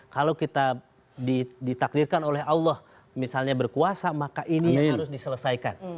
kalau kita ditakdirkan oleh allah misalnya berkuasa maka ini yang harus diselesaikan